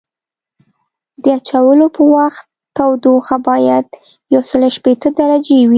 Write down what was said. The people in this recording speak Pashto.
د اچولو په وخت تودوخه باید یوسل شپیته درجې وي